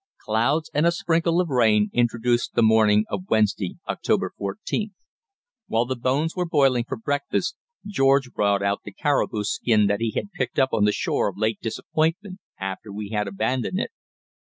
Clouds and a sprinkle of rain introduced the morning of Wednesday (October 14th). While the bones were boiling for breakfast, George brought out the caribou skin that he had picked up on the shore of Lake Disappointment after we had abandoned it.